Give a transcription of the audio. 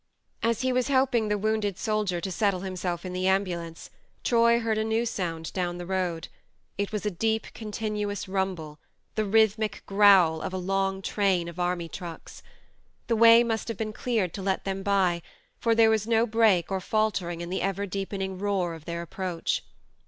As he was helping the wounded soldier to settle himself in the am bulance, Troy heard a new sound down the road. It was a deep continuous rumble, the rhythmic growl of a long 118 THE MARNE train of army trucks. The way must have been cleared to let them by, for there was no break or faltering in the ever deepening roar of their approach.